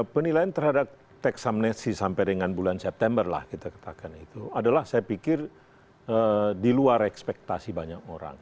penilaian terhadap tax amnesty sampai dengan bulan september adalah saya pikir di luar ekspektasi banyak orang